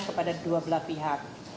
dan kepastian kepada dua belah pihak